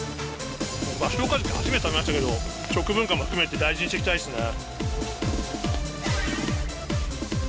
バショウカジキ、初めて食べましたけど、食文化も含めて大事にしていきたいですね。